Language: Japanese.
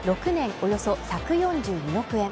およそ１４２億円